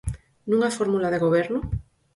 Nunha fórmula de goberno?